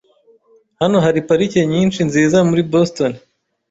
Hano hari parike nyinshi nziza muri Boston.